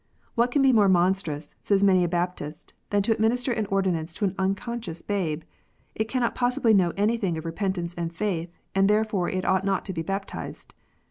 " What can be more monstrous," says many a Baptist, " than to administer an ordinance to an unconscious babe 1 It cannot possibly know anything of repentance and faith, and therefore it ought not to be baptized.